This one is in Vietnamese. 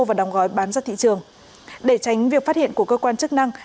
và đóng gói bán ra thị trường để tránh việc phát hiện của cơ quan chức năng